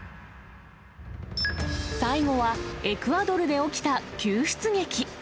最後はエクアドルで起きた救出劇。